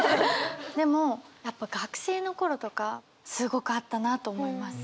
でもやっぱ学生の頃とかすごくあったなと思います。